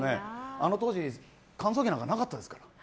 あの当時、乾燥機なんかなかったですから。